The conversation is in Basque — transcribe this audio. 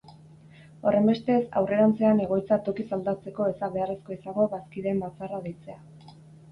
Horrenbestez, aurrerantzean egoitza tokiz aldatzeko ez da beharrezkoa izango bazkideen batzarra deitzea.